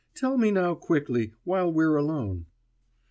Tell me now quickly, while we're alone.